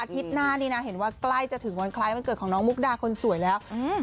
หน้านี้นะเห็นว่าใกล้จะถึงวันคล้ายวันเกิดของน้องมุกดาคนสวยแล้ว